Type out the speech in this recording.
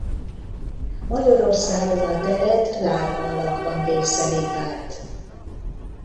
Magyarországon a telet lárva alakban vészelik át.